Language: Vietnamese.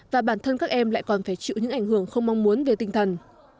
và bản thân các em lại còn phải chịu những ảnh hưởng không mong muốn về tinh thần